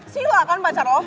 silahkan pacar lo